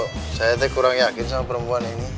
bro saya teh kurang yakin sama perempuan ini